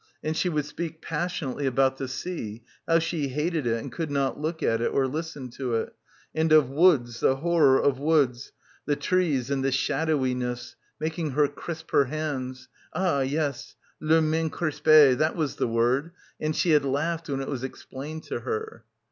And she would speak passionately about the sea, how she hated it and could not look at it or listen to it; and of woods, the horror of woods, the trees and the shadowiness, making her crisp her hands — ah yes, les mains crispees, that was the word; and she had laughed when it was explained to her.